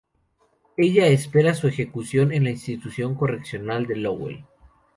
Ella espera su ejecución en la Institución Correccional de Lowell.